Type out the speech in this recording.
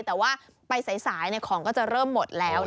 แต่ว่าไปสายของก็จะเริ่มหมดแล้ว